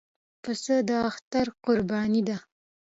پسه د اختر قرباني ده.